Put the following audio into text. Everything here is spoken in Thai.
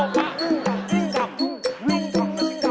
เว่ยยยยย